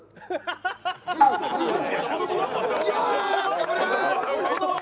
頑張ります！